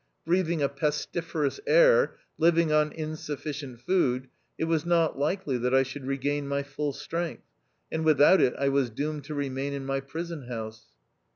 Breathing a pestiferous air, living on insufficient food, it was not likely that I should regain my full strength, and without it I was doomed to remain in my prison house.